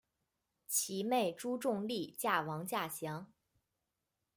其妹朱仲丽嫁王稼祥。